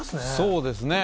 そうですね。